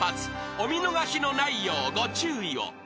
［お見逃しのないようご注意を］